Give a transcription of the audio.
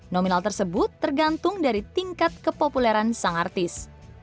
nominal tersebut tergantung dari tingkat kepopuleran sang artis